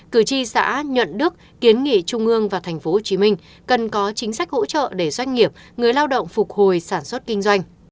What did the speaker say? cử tri xã nhuận đức kiến nghị trung ương và tp hcm cần có chính sách hỗ trợ để doanh nghiệp người lao động phục hồi sản xuất kinh doanh